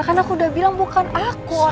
kan aku udah bilang bukan aku orangnya